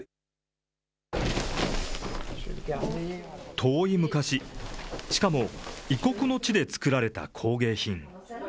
遠い昔、しかも、異国の地で作られた工芸品。